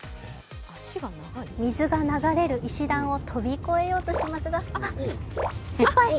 水が流れる石段を飛び越えようとしますが、失敗！